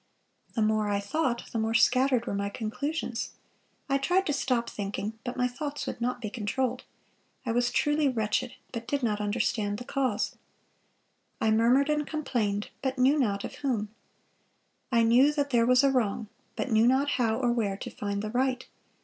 The more I thought, the more scattered were my conclusions. I tried to stop thinking, but my thoughts would not be controlled. I was truly wretched, but did not understand the cause. I murmured and complained, but knew not of whom. I knew that there was a wrong, but knew not how or where to find the right.